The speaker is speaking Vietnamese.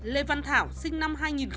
lê văn thảo sinh năm hai nghìn